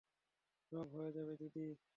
সব হয়ে যাবে, দিদি।